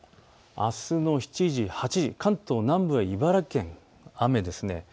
あすの７時、８時、関東南部や茨城県、雨ですね。